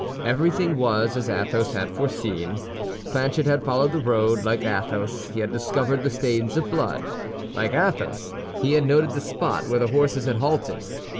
Everything was as Athos had foreseen. Planchet had followed the road; like Athos, he had discovered the stains of blood; like Athos, he had noted the spot where the horses had halted.